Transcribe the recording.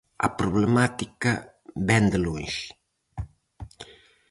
A problemática vén de lonxe.